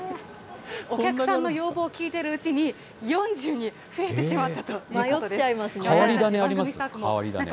お客さんの要望を聞いているうちに、４０に増えてしまったということです。